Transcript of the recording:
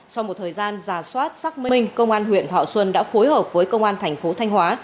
sau một thời gian giả soát xác minh công an huyện thọ xuân đã phối hợp với công an thành phố thanh hóa